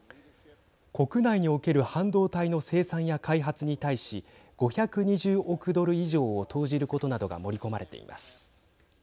国内における半導体の生産や開発に対し５２０億ドル以上を投じることなどが盛り込まれています。